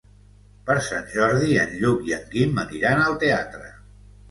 Per Sant Jordi en Lluc i en Guim aniran al teatre.